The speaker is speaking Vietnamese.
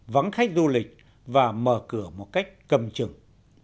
vắng khách du lịch và mở cửa một cách cầm chừng